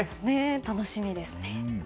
楽しみですね。